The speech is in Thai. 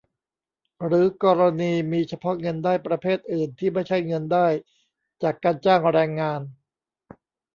หรือกรณีมีเฉพาะเงินได้ประเภทอื่นที่ไม่ใช่เงินได้จากการจ้างแรงงาน